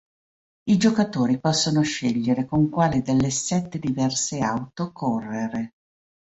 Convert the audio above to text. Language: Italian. I giocatori possono scegliere con quale delle sette diverse auto correre.